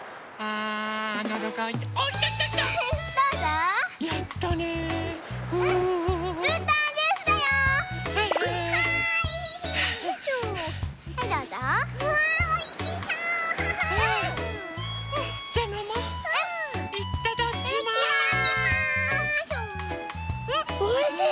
んっおいしい！